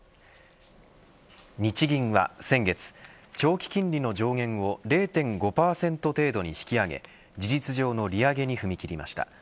日銀は先月長期金利の上限を０．５％程度に引き上げ事実上の利上げに踏み切りました。